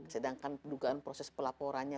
sedangkan dugaan proses pelaporannya